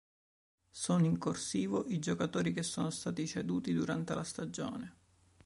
Sono in "corsivo" i giocatori che sono stati ceduti durante la stagione.